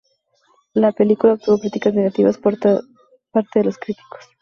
La película obtuvo críticas negativas por parte de los críticos.